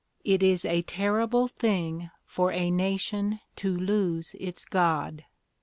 It is a terrible thing for a nation to lose its God.